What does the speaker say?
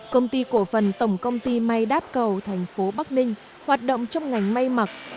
công ty cổ phần tổng công ty may đáp cầu thành phố bắc ninh hoạt động trong ngành may mặc